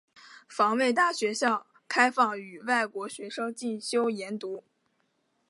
防卫大学校开放予外国学生进修研读。